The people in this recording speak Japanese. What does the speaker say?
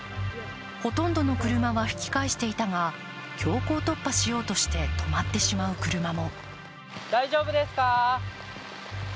ほとんどの車は引き返していたが強行突破しようとして止まってしまう車も。